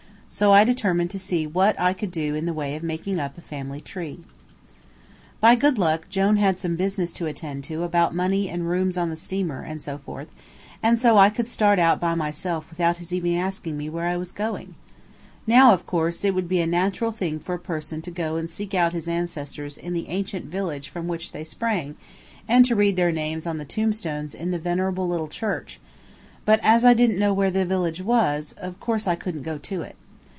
So I determined to see what I could do in the way of making up a family tree. By good luck, Jone had some business to attend to about money and rooms on the steamer, and so forth, and so I could start out by myself without his even asking me where I was going. Now, of course, it would be a natural thing for a person to go and seek out his ancestors in the ancient village from which they sprang, and to read their names on the tombstones in the venerable little church, but as I didn't know where this village was, of course I couldn't go to it.